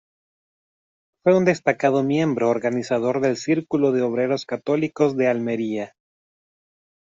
Fue un destacado miembro organizador del Círculo de obreros católicos de Almería.